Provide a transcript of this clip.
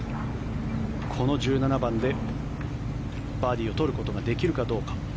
この１７番でバーディーを取ることができるかどうか。